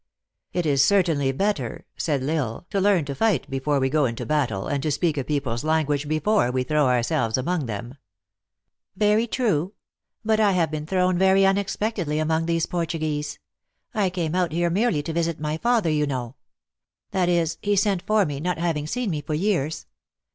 " It is certainly better," said L Isle, " to learn to fight before we go into battle, and to speak a THE ACTRESS IN HIGH LIFE. 49 people s language before we throw ourselves among them." " Very true. But I have been thrown very unex pectedly among these Portuguese. I came out mere ly to visit my father, you know. That is, he sent for me, not having seen me for years.